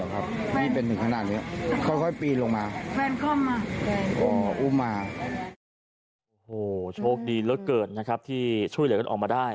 โหโชคดีเยอะเกินนะครับที่ช่วยเรากันออกมาได้